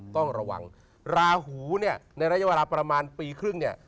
ต้องระวังราหูเนี่ยในระยะเวลาประมาณปีครึ่งเนี่ย